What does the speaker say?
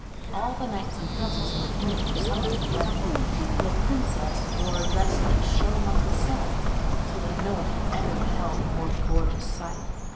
All the knights and princes in the kingdom were summoned to the wedding, and the princess wore a dress that shone like the sun, so that no one had ever beheld a more gorgeous sight.